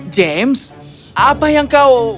james apa yang kau